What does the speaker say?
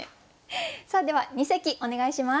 さあでは二席お願いします。